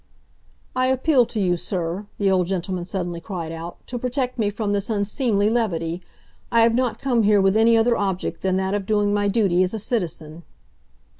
"I appeal to you; sir," the old gentleman suddenly cried out "to protect me from this unseemly levity! I have not come here with any other object than that of doing my duty as a citizen!"